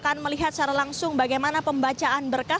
akan melihat secara langsung bagaimana pembacaan berkas